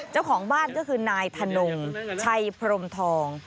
เจ้าของบ้านก็คือนายธนงชัยพรมทอง